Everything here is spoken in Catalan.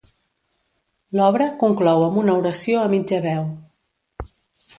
L'obra conclou amb una oració a mitja veu.